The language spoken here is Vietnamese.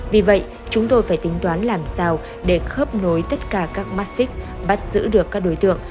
vì vậy chúng tôi phải tính toán làm sao để khớp nối tất cả các mắt xích bắt giữ được các đối tượng